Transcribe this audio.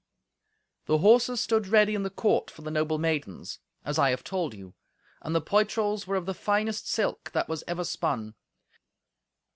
The horses stood ready in the court for the noble maidens, as I have told you, and the poitrals were of the finest silk that was ever spun.